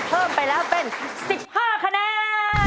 เพิ่มไปแล้วเป็น๑๕คะแนน